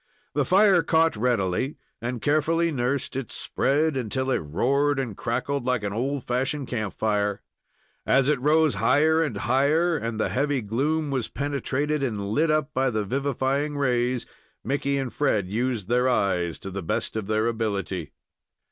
The fire caught readily, and, carefully nursed, it spread until it roared and crackled like an old fashioned camp fire. As it rose higher and higher, and the heavy gloom was penetrated and lit up by the vivifying rays, Mickey and Fred used their eyes to the best of their ability.